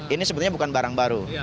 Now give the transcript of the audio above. ini sebenarnya bukan barang baru